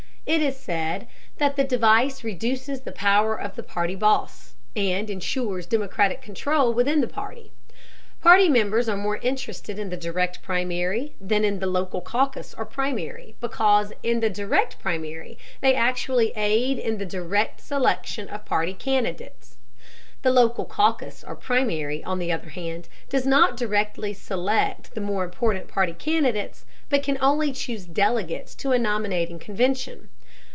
It is said that the device reduces the power of the party boss, and insures democratic control within the party. Party members are more interested in the Direct Primary than in the local caucus or primary because in the Direct Primary they actually aid in the direct selection of party candidates. The local caucus or primary, on the other hand, does not directly select the more important party candidates, but can only choose delegates to a nominating convention.